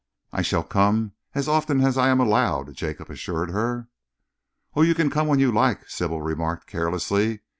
"I shall come as often as I am allowed," Jacob assured her. "Oh, you can come when you like," Sybil remarked carelessly.